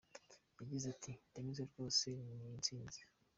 Yagize ati “Ndanyuzwe rwose, iyi ni intsinzi.